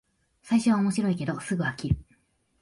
最初は面白いけどすぐ飽きる